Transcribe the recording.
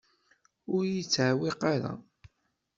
Ur yi-d-tewqiɛ ara.